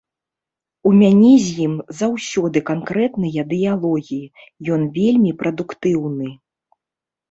У мяне з ім заўсёды канкрэтныя дыялогі, ён вельмі прадуктыўны.